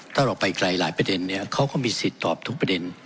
ถ้าเราไปไกลหลายประเด็นเนี่ยเขาก็มีสิทธิ์ตอบทุกประเด็น